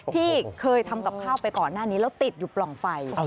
ที่เคยทำกับข้าวไปก่อนหน้านี้แล้วติดอยู่ปล่องไฟ